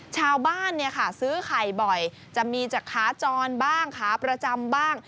ชาวบ้านซื้อไข่บ่อยจะมีจากขาจรบ้างขาประจำบ้าง